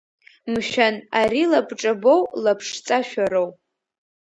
Мшәан, ари лабҿабоу лаԥшҵашәароу?